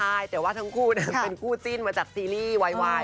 ใช่แต่ว่าทั้งคู่เป็นคู่จิ้นมาจากซีรีส์วาย